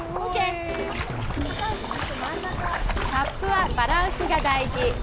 ＳＵＰはバランスが大事。